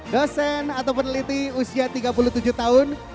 dosen atau peneliti usia tiga puluh tujuh tahun